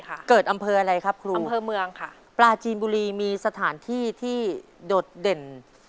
เกิดอำเภออะไรครับครูอำเภอเมืองค่ะปลาจีนบุรีมีสถานที่ที่โดดเด่น